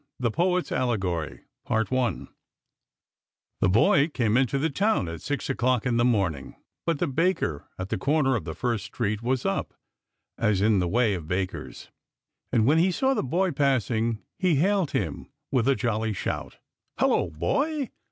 THE POET'S ALLEGORY THE boy came into the town at six o'clock in the morning, but the baker at the corner of the first street was up, as is the way of bakers, and when he saw the boy passing, he hailed him with a jolly shout. " Hullo, boy